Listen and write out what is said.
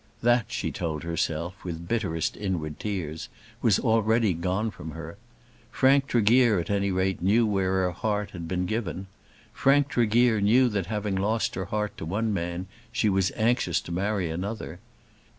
That, she told herself, with bitterest inward tears, was already gone from her. Frank Tregear at any rate knew where her heart had been given. Frank Tregear knew that having lost her heart to one man she was anxious to marry another.